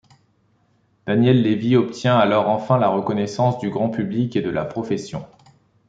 Daniel Lévi obtient alors enfin la reconnaissance du grand public et de la profession.